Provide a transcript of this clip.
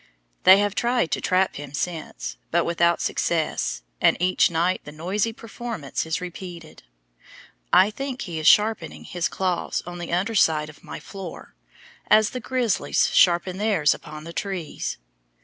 They have tried to trap him since, but without success, and each night the noisy performance is repeated. I think he is sharpening his claws on the under side of my floor, as the grizzlies sharpen theirs upon the trees.